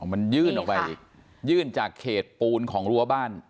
มันยื่นออกไปยื่นจากเขตปูนของรั้วบ้าน